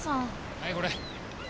はいこれ。